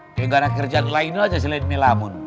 nggak ada kerjaan lainnya aja selain melamun